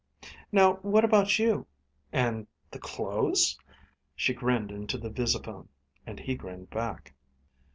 "Now what about you? And the clothes?" She grinned into the visaphone, and he grinned back.